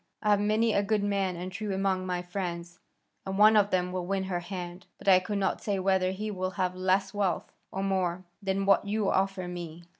I have many a good man and true among my friends, and one of them will win her hand; but I could not say whether he will have less wealth, or more, than what you offer me.